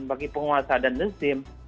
bagi penguasa dan rezim